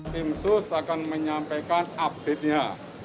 tim sus akan menyampaikan update nya